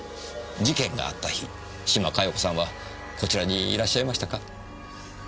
事件があった日島加代子さんはこちらにいらっしゃいましたか？